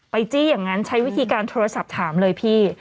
จี้อย่างนั้นใช้วิธีการโทรศัพท์ถามเลยพี่